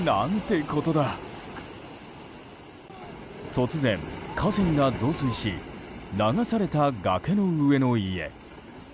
突然、河川が増水し流された崖の上の家。